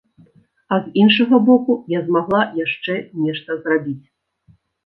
А з іншага боку, я змагла яшчэ нешта зрабіць.